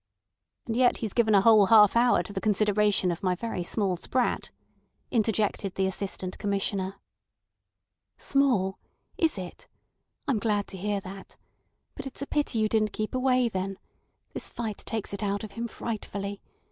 "And yet he's given a whole half hour to the consideration of my very small sprat," interjected the Assistant Commissioner. "Small! Is it? I'm glad to hear that. But it's a pity you didn't keep away, then. This fight takes it out of him frightfully.